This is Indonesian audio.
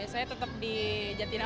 iya biasanya tetap di jatinangor